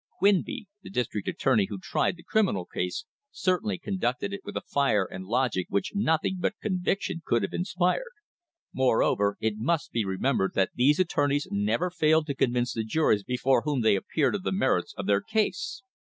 Quinby, the district attorney who tried the criminal case, certainly conducted it with a fire and a logic which nothing but conviction could have inspired. Moreover, it must be remembered that these attorneys never failed to con vince the juries before whom they appeared of the merits of their case.